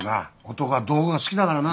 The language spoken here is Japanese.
男は道具が好きだからな。